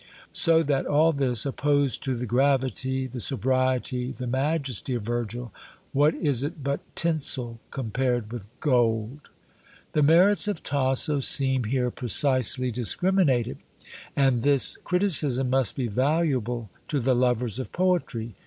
So that all this, opposed to the gravity, the sobriety, the majesty of Virgil, what is it but tinsel compared with gold?" The merits of Tasso seem here precisely discriminated; and this criticism must be valuable to the lovers of poetry.